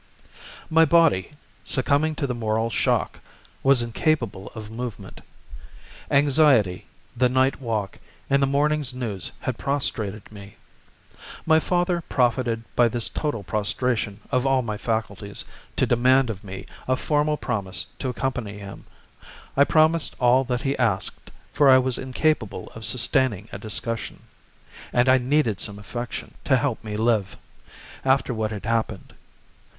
My body, succumbing to the moral shock, was incapable of movement. Anxiety, the night walk, and the morning's news had prostrated me. My father profited by this total prostration of all my faculties to demand of me a formal promise to accompany him. I promised all that he asked, for I was incapable of sustaining a discussion, and I needed some affection to help me to live, after what had happened.